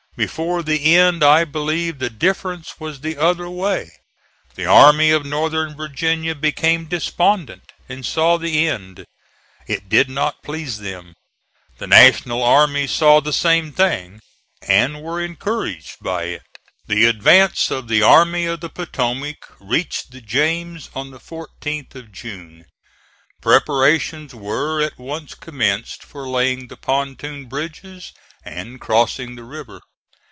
Before the end I believe the difference was the other way. The Army of Northern Virginia became despondent and saw the end. It did not please them. The National army saw the same thing, and were encouraged by it. The advance of the Army of the Potomac reached the James on the 14th of June. Preparations were at once commenced for laying the pontoon bridges and crossing the river.